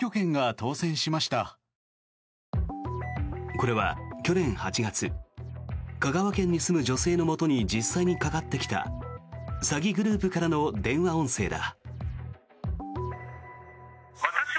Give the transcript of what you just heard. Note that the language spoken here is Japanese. これは去年８月香川県に住む女性のもとに実際にかかってきた詐欺グループからの電話音声だ。